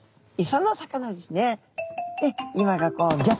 磯の魚ですね。